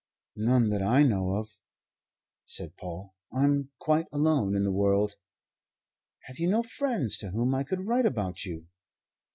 "None that I know of," said Paul. "I'm quite alone in the world." "Have you no friends to whom I could write about you?"